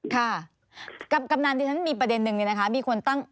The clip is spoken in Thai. ค่ะกับกำลังที่ฉันมีประเด็นหนึ่งมีคนตั้ง